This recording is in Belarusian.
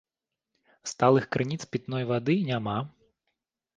Сталых крыніц пітной вады няма.